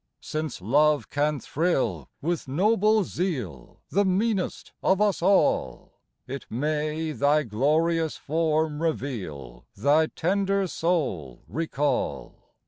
Since love can thrill with noble zeal The meanest of us all, It may thy glorious form reveal, Thy tender soul recall.